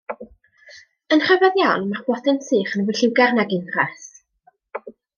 Yn rhyfedd iawn, mae'r blodyn sych yn fwy lliwgar nag un ffres!